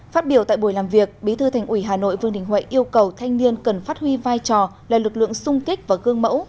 phát biểu tại buổi làm việc bí thư thành ủy hà nội vương đình huệ yêu cầu thanh niên cần phát huy vai trò là lực lượng sung kích và gương mẫu